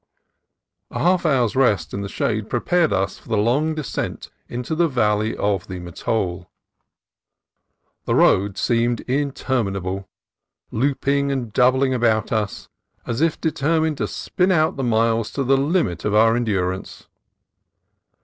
A half hour's rest in the shade prepared us for the long descent into the val ley of the Mattole. The road seemed interminable, looping and doubling about as if determined to spin out the miles to the limit of our endurance.